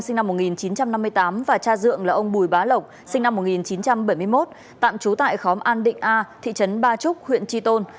sinh năm một nghìn chín trăm năm mươi tám và cha dượng là ông bùi bá lộc sinh năm một nghìn chín trăm bảy mươi một tạm trú tại khóm an định a thị trấn ba trúc huyện tri tôn